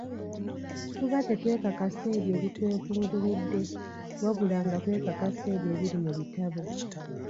Tuba tetwekakasa ebyo ebitwebunguludde, wabula nga twekakasa ebyo ebiri mu bitabo.